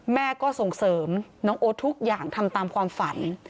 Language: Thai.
แม่ก็ส่งเสริมน้องโอ๊ตทุกอย่างทำตามความฝัน